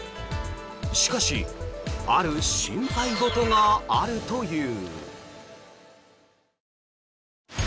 しかしある心配事があるという。